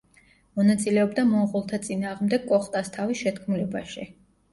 მონაწილეობდა მონღოლთა წინააღმდეგ კოხტასთავის შეთქმულებაში.